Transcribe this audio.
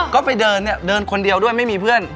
ก็ไปเดินเนี่ยเดินคนเดียวด้วยไม่มีเพื่อน